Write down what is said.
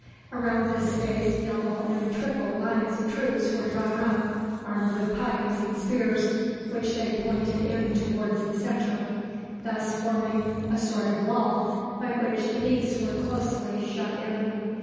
Around this space double and triple lines of troops were drawn up, armed with pikes and spears, which they pointed in toward the centre, thus forming a sort of wall by which the beasts were closely shut in.